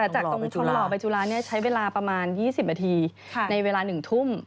จากตรงชนหล่อใบจุฬาใช้เวลาประมาณ๒๐นาทีในเวลา๑ทุ่ม